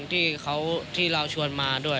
ที่เราชวนมาด้วย